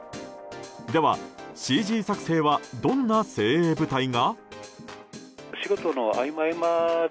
では、ＣＧ作成はどんな精鋭部隊が？